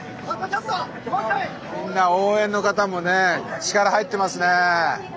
みんな応援の方もね力入ってますね。